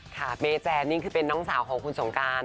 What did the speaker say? เมแจนนี่คือเป็นน้องสาวของคุณสงการ